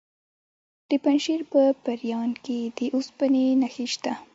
د پنجشیر په پریان کې د اوسپنې نښې شته.